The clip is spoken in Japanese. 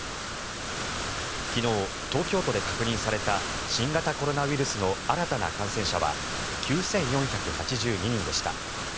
昨日、東京都で確認された新型コロナウイルスの新たな感染者は９４８２人でした。